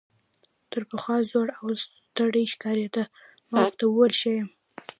تر پخوا زوړ او ستړی ښکارېده، ما ورته وویل ښه یم.